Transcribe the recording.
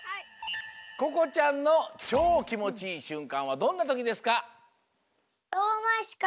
ここちゃんのチョーきもちいいしゅんかんはどんなときですか？